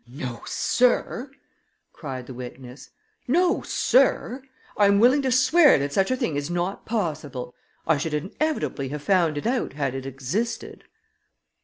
"No, sir!" cried the witness. "No, sir! I'm willing to swear that such a thing is not possible. I should inevitably have found it out had it existed."